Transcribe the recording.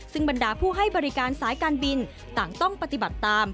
ซึ่งบรรดาผู้ให้บริการสายการบินต่างต้องปฏิบัติตาม